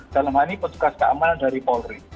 dalam hal ini petugas keamanan dari polri